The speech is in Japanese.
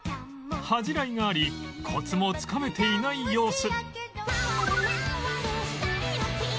恥じらいがありコツもつかめていない様子